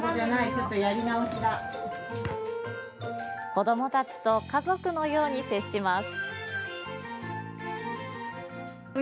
子どもたちと家族のように接します。